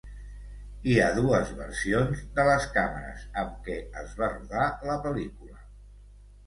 Hi ha dues versions de les càmeres amb què es va rodar la pel·lícula.